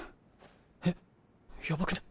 えっやばくね？